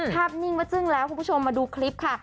นิ่งว่าจึ้งแล้วคุณผู้ชมมาดูคลิปค่ะ